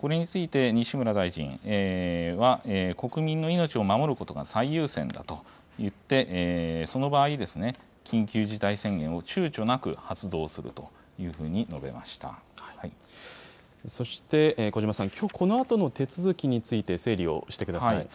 これについて、西村大臣は、国民の命を守ることが最優先だと言って、その場合、緊急事態宣言をちゅうちょなく発動するというふうそして、小嶋さん、きょうこのあとの手続きについて、整理をしてください。